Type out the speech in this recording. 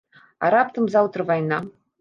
А раптам заўтра вайна?